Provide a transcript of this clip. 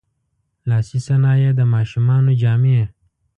لاسي صنایع، د ماشومانو جامې.